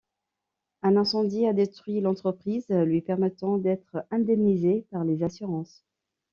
Un incendie a détruit l'entreprise, lui permettant d'être indemnisé par les assurances.